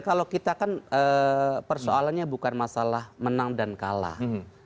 kalau kita kan persoalannya bukan masalah menang dan kalah